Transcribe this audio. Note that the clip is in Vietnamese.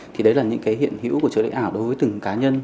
thì đấy là những cái hiện hữu của trợ lý ảo đối với từng cá nhân